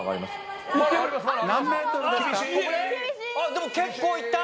でも結構いった！